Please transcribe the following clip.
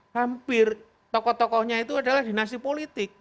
hampir tokoh tokohnya itu adalah dinasti politik